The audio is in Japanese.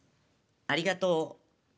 ありがとう。